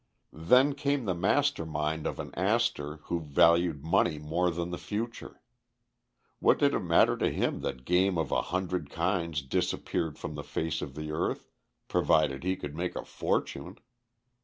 Then came the master mind of an Astor who valued money more than the future. What did it matter to him that game of a hundred kinds disappeared from the face of the earth provided he could make a fortune?